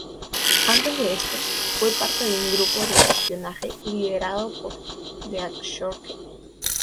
Antes de esto, fue parte de un grupo de espionaje liderado por Deathstroke.